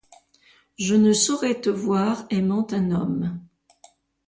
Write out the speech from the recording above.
Je ne saurais te voir aimant un homme.